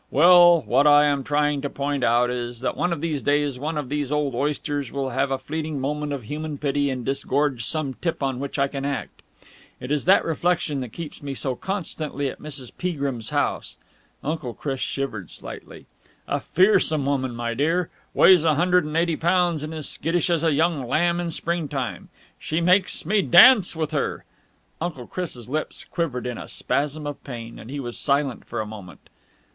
Well, what I am trying to point out is that one of these days one of these old oysters will have a fleeting moment of human pity and disgorge some tip on which I can act. It is that reflection that keeps me so constantly at Mrs. Peagrim's house." Uncle Chris shivered slightly. "A fearsome woman, my dear! Weighs a hundred and eighty pounds and as skittish as a young lamb in springtime! She makes me dance with her!" Uncle Chris' lips quivered in a spasm of pain, and he was silent for a moment.